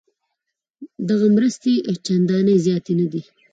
دغه مرستې چندانې زیاتې نه دي.